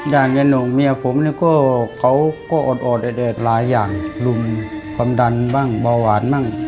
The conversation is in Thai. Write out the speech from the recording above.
ด่านเงินหนุ่มเมย์ผมก็ออดออดแอดหลายอย่างรุมความดันบ้างบ่าหวานบ้าง